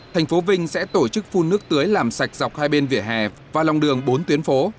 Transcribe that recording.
thành phố vinh sẽ tổ chức phun nước tưới làm sạch dọc hai bên vỉa hè và lòng đường bốn tuyến phố